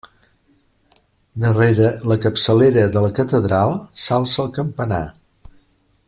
Darrere la capçalera de la catedral, s'alça el campanar.